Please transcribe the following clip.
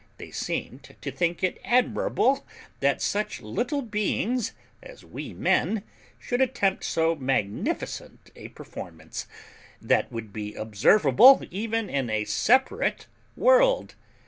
They seemed to think it admirable that such little beings as we men should attempt so magnificent a performance, that would be observable even in a separate world.